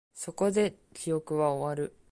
そこで、記憶は終わる